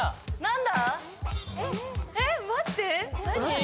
えっ待って何？